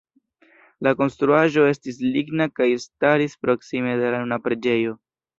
La konstruaĵo estis ligna kaj staris proksime de la nuna preĝejo.